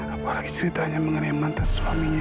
apalagi ceritanya mengenai mantan suaminya